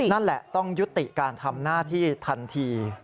นั่นแหละต้องยุติการทำหน้าที่ทันที